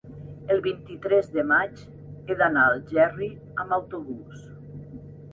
el vint-i-tres de maig he d'anar a Algerri amb autobús.